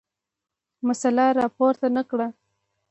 مسله راپورته نه کړه.